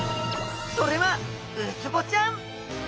それはウツボちゃん。